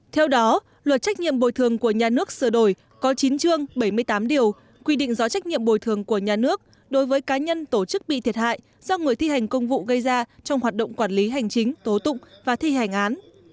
theo đó luật trách nhiệm bồi thường của nhà nước sửa đổi có chín chương bảy mươi tám điều quy định rõ trách nhiệm bồi thường của nhà nước đối với cá nhân tổ chức bị thiệt hại do người thi hành công vụ gây ra trong hoạt động quản lý hành chính tố tụng và thi hành án